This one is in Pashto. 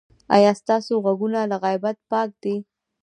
ایا ستاسو غوږونه له غیبت پاک دي؟